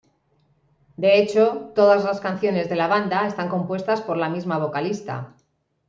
De hecho, todas las canciones de la banda están compuestas por la misma vocalista.